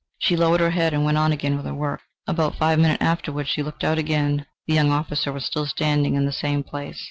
She lowered her head and went on again with her work. About five minutes afterwards she looked out again the young officer was still standing in the same place.